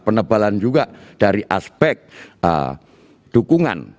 penebalan juga dari aspek dukungan